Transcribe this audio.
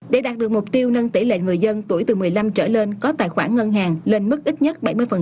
để đạt được mục tiêu nâng tỷ lệ người dân tuổi từ một mươi năm trở lên có tài khoản ngân hàng lên mức ít nhất bảy mươi